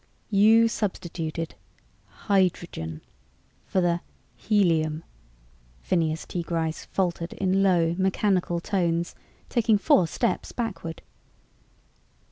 "You substituted ... hydrogen ... for the ... helium?" Phineas T. Gryce faltered in low mechanical tones, taking four steps backward.